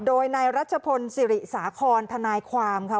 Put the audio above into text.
โดยในรัชพลศรีษษาครทนายความค่ะ